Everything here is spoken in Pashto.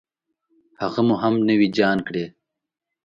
هغه مو هم نوي جان کړې.